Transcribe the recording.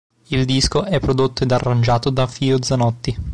Il disco è prodotto ed arrangiato da Fio Zanotti.